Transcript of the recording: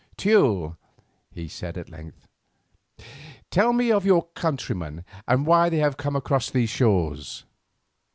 "Teule," he said at length, "tell me of your countrymen, and why they have come to these shores.